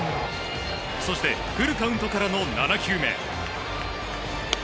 そしてフルカウントからの７球目。